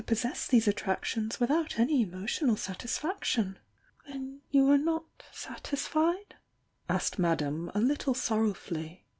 P°^««« these It Jc tions without any emotional satisfaction?" Ihen you are not satisfied?" asked Madame a little sorrowfully.